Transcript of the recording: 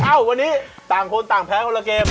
เอ้าวันนี้ต่างคนต่างแพ้คนละเกม